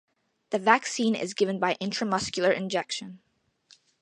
The vaccine is given by intramuscular injection.